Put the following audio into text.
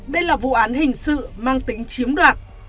đây là vụ án hình sự mang tính chiếm đoạt